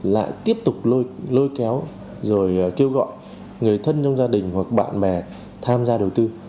lại tiếp tục lôi lôi kéo rồi kêu gọi người thân trong gia đình hoặc bạn bè tham gia đầu tư